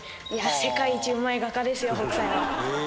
世界一うまい画家ですよ北斎は。